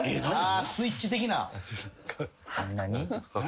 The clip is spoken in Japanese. スイッチ的な。